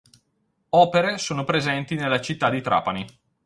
Opere sono presenti nella città di Trapani.